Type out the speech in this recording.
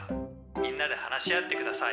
みんなで話し合ってください」。